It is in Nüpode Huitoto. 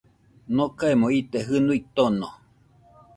Nokaemo ite jɨnuo tono